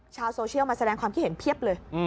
ชาวโซเชียลมาแสดงความคิดเห็นเพียบเลย